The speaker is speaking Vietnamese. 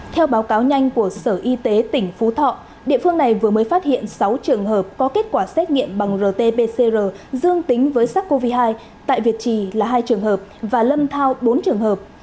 theo báo cáo nhanh của sở y tế tỉnh phú thọ địa phương này vừa mới phát hiện sáu trường hợp có kết quả xét nghiệm bằng rt pcr dương tính với sars cov hai tại việt trì là hai trường hợp và lâm thao bốn trường hợp